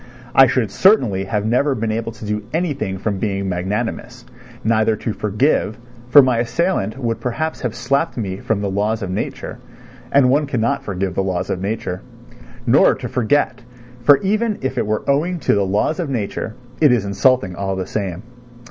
I should certainly have never been able to do anything from being magnanimous—neither to forgive, for my assailant would perhaps have slapped me from the laws of nature, and one cannot forgive the laws of nature; nor to forget, for even if it were owing to the laws of nature, it is insulting all the same.